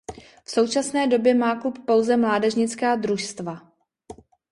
V současné době má klub pouze mládežnická družstva.